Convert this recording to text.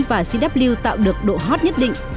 và cw tạo được độ hot nhất định